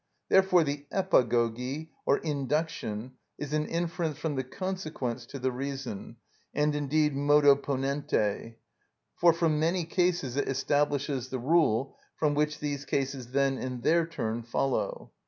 Therefore the επαγωγη, or induction, is an inference from the consequents to the reason, and indeed modo ponente; for from many cases it establishes the rule, from which these cases then in their turn follow.